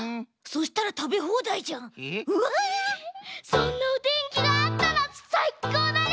そんなおてんきがあったらさいこうだね！